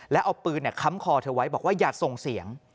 แล้วเอาปืนค้ำคอเธอไว้บอกว่าอย่าส่งเสียง